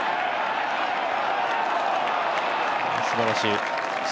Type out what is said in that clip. すばらしい。